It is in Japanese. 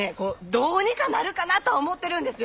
どうにかなるかなとは思うてるんですよ。